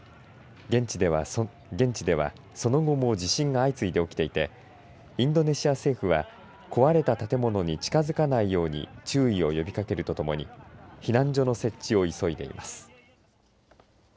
現地ではその後も地震が相次いで起きていてインドネシア政府は壊れた建物に近づかないように注意を呼びかけるとともに避難所の設置を急いでいます。